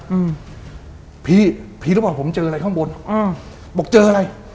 อืมพี่พี่หรือเปล่าผมเจออะไรข้างบนอืมบอกเจออะไร